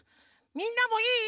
みんなもいい？